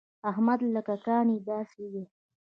احمد لکه کاڼی داسې دی.